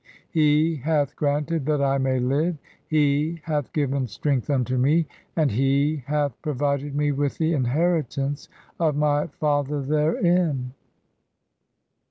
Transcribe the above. He hath "granted that I may live, he hath given strength unto me, and "he hath provided me with the inheritance of my father therein."